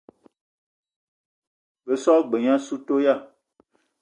Be so g-beu gne assou toya.